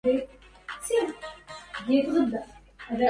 ننام من الأيام في غرض النبل